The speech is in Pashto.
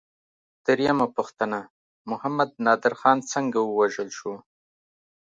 درېمه پوښتنه: محمد نادر خان څنګه ووژل شو؟